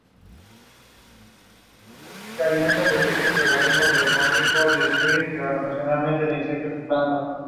Posteriormente aumentan las acciones de los nacionalistas contra los gobiernos de Irak e Irán.